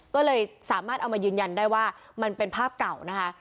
ก็เลยสามารถเอามายืนยันได้ว่ามันเป็นภาพเก่านะคะ